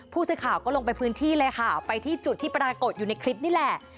ผู้สื่อข่าวก็ลงไปพื้นที่เลยค่ะไปที่จุดที่ปรากฏอยู่ในคลิปนี่แหละ